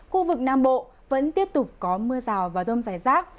khu vực nam bộ vẫn tiếp tục có mưa rào và rông rải rác